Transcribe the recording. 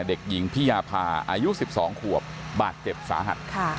เด็กหญิงพี่ยาพาอายุสิบสองขวบบาดเจ็บสาหัสค่ะ